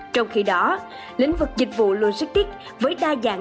trong khi đó lĩnh vực dịch vụ logistics với đa dạng